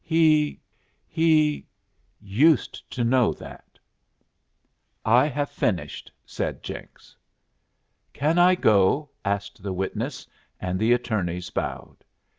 "He he used to know that." "I have finished," said Jenks. "Can I go?" asked the witness, and the attorneys bowed.